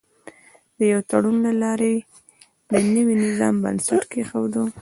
د یوه تړون له لارې یې د نوي نظام بنسټ کېښود.